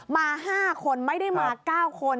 มา๕คนไม่ได้มา๙คน